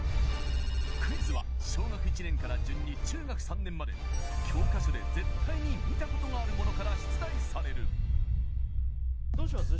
クイズは小学１年から順に中学３年まで教科書で絶対に見たことがあるものから出題されるどうします？